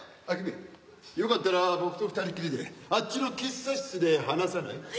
あっ君よかったら僕と二人きりであっちの喫茶室で話さない？